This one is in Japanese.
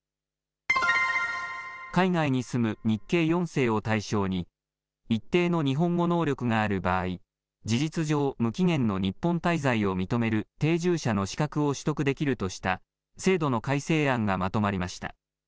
海外に住む日系４世を対象に、一定の日本語能力がある場合、事実上、無期限の日本滞在を認める定住者の資格を取得できるとした、制度の改正案がまとまりました。